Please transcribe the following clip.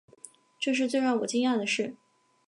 这是最让我惊讶的事